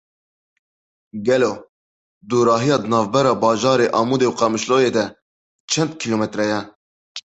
Gelo dûrahiya di navbera bajarê Amûdê û Qamişloyê de çend kîlometre ye?